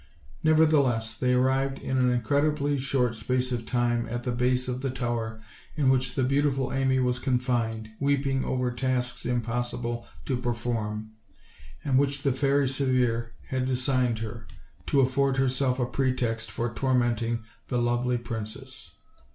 Nevertheless, they arrived in an incredibly short space of time at the base of the tower in which the beautiful Amy was confined, weeping over tasks impossible to perform, and which the Fairy Severe had assigned her, to afford herself a pretext for torment ing the lovely princess.